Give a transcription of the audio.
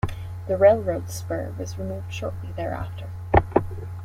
The railroad spur was removed shortly thereafter.